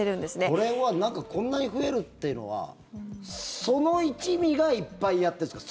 これはこんなに増えるっていうのはその一味がいっぱいやってるんですか？